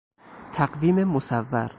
تقویم مصور